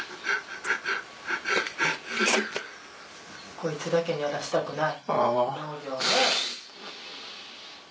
「こいつだけにやらせたくない」。